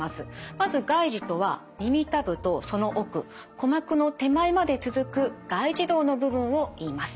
まず外耳とは耳たぶとその奥鼓膜の手前まで続く外耳道の部分をいいます。